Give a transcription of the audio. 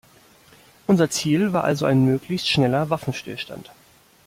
Unser Ziel war also ein möglichst schneller Waffenstillstand.